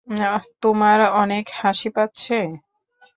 তোমার অনেক হাসি পাচ্ছে?